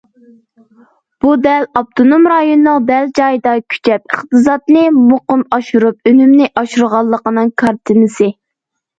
بۇ دەل ئاپتونوم رايوننىڭ دەل جايىدا كۈچەپ، ئىقتىسادنى مۇقىم ئاشۇرۇپ، ئۈنۈمنى ئاشۇرغانلىقىنىڭ كارتىنىسى.